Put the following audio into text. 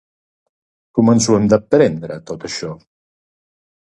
Com ens ho hem de prendre tot això?